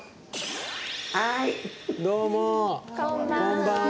どうも、こんばんは。